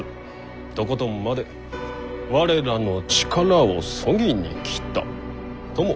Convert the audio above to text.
とことんまで我らの力をそぎに来たとも言えますな。